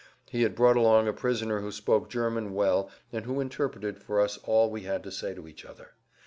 He had brought along a prisoner who spoke German well and who interpreted for us all we had to say to each other.